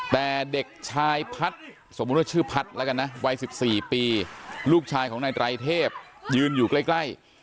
แต่เด็กชายพัฒน์สมมุติว่าชื่อพัฒน์แล้วกันนะวัย๑๔ปีลูกชายของนายไตรเทพยืนอยู่ใกล้